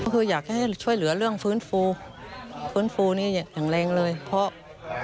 ก็คืออยากให้ช่วยเหลือเรื่องฟื้นฟูฟื้นฟูนี่อย่างแรงเลยเพราะ